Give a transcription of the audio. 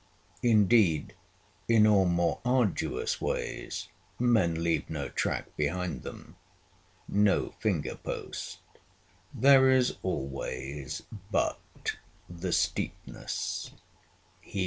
Indeed in all more arduous ways, men leave no track behind them, no finger post there is always but the steepness.